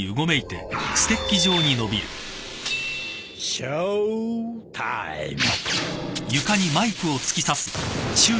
ショータイム！